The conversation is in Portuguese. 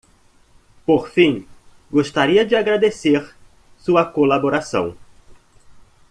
Por fim, gostaria de agradecer sua colaboração.